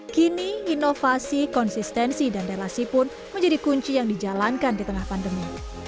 kini inovasi konsistensi dan relasi pun menjadi kunci yang dijalankan di tengah pandemi